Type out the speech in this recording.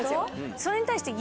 それに対して。